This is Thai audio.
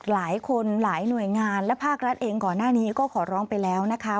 หลายคนหลายหน่วยงานและภาครัฐเองก่อนหน้านี้ก็ขอร้องไปแล้วนะคะ